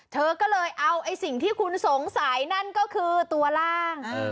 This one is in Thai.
เธอก็เลยเอาไอ้สิ่งที่คุณสงสัยนั่นก็คือตัวล่าง